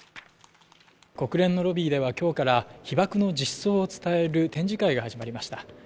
国連のロビーでは今日から被爆の実相を伝える展示会が始まりました。